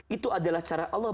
itu adalah cara allah